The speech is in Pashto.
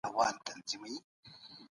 دولت مستقیم ډول د تولید مسؤل نه و.